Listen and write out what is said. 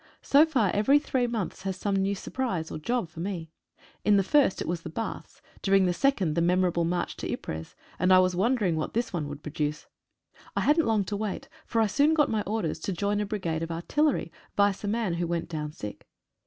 So far every three months has some new surprise or job for me. In the first it was baths, during the second the memor able march to Ypres, and I was wondering what this one would produce. I hadn't long to wait, for I soon got my orders to join a brigade of artillery, vice a man who went down sick.